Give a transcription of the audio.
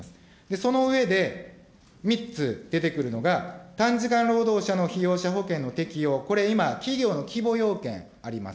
その上で、３つ出てくるのが、短時間労働者の被扶養者雇用の適用、これ今、企業の規模要件あります。